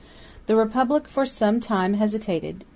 The Republic for some time hesitated.